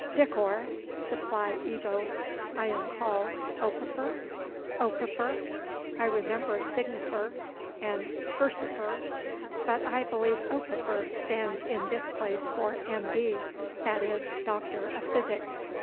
DICOR, supply EGO I am called, OPIFER? OPIFER? I remember SIGNIFER and FURCIFER but I believe OPIFER stands in this place for M.D., that is, Doctor of Physic."